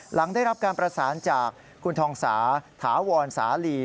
หลังได้รับการประสานจากคุณทองสาถาวรสาลี